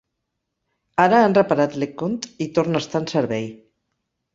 Ara han reparat "LeConte" i torna a estar en servei.